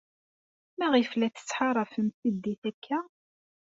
Maɣef ay la tettḥaṛafem tiddit akka?